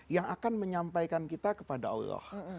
yang akan menyampaikan kita kepada allah